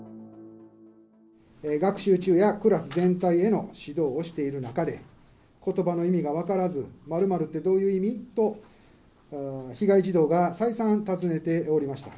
学習中やクラス全体への指導をしている中で、ことばの意味が分からず、○○ってどういう意味？と被害児童が再三尋ねておりました。